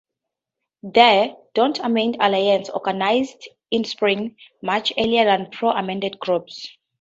The "Don't Amend Alliance" organized in spring, much earlier than pro-amendment groups.